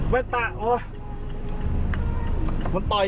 แว่นตาอยู่ไหนมันมันมันลุกอ้อย